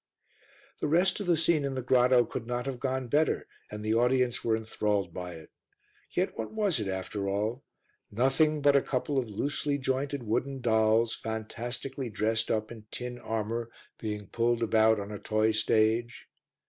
The rest of the scene in the grotto could not have gone better and the audience were enthralled by it. Yet what was it after all? Nothing but a couple of loosely jointed wooden dolls, fantastically dressed up in tin armour, being pulled about on a toy stage.